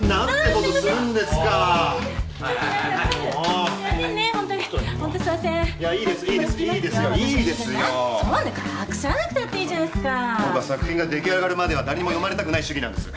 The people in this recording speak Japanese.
僕は作品が出来上がるまでは誰にも読まれたくない主義なんです。